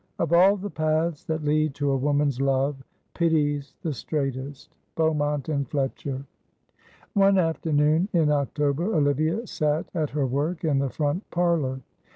"Of all the paths that lead to a woman's love Pity's the straightest." Beaumont and Fletcher. One afternoon in October Olivia sat at her work in the front parlour.